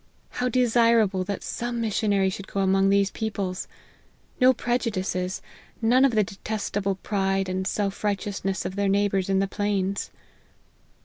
How desirable that some missionary should go among these peo ple ! No prejudices none of the detestable pride and self righteousness of their neighbours in the plains."